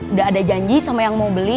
udah ada janji sama yang mau beli